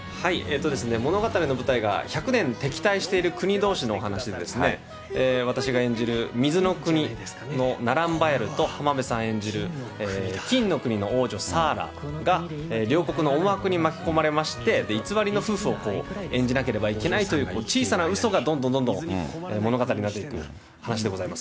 物語の舞台が、１００年敵対している国どうしのお話でして、私が演じる水の国のナランバヤルと、浜辺さん演じる金の国の王女、サーラが両国の思惑に巻き込まれまして、偽りの夫婦を演じなければいけないという、小さなうそがどんどんどんどん物語になっていく話でございます。